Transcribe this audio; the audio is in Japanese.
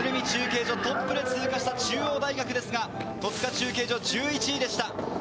中継所トップで通過した中央大学ですが、戸塚中継所１１位でした。